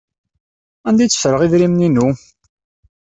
Anda ay tteffreɣ idrimen-inu?